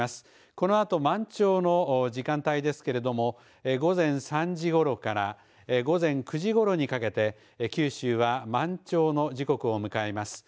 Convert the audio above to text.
このあと満潮の時間帯ですけれども午前３時ごろから午前９時ごろにかけて九州は満潮の時刻を迎えます。